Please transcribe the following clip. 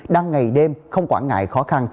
đang ngày đêm không quản ngại khó khăn